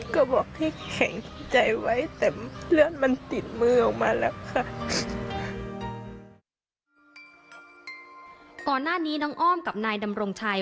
ก่อนหน้านี้น้องอ้อมกับนายดำรงชัย